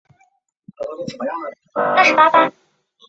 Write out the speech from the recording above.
一般会用来作法国菜的头盘菜。